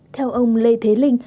theo ông lê thế linh